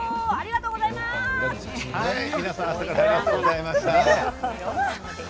皆さん、朝からありがとうございました。